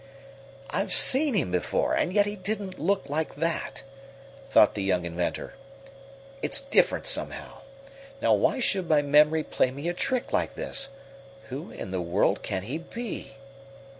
"I've seen him before, and yet he didn't look like that," thought the young inventor. "It's different, somehow. Now why should my memory play me a trick like this? Who in the world can he be?"